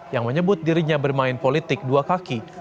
yang menyebut dirinya bermain politik dua kaki